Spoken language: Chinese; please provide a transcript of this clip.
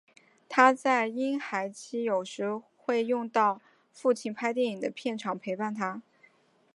她在婴孩期有时会到父亲拍电影的片场陪伴他。